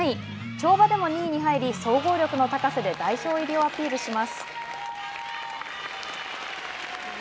跳馬でも２位に入り総合力の高さで代表入りをアピールします。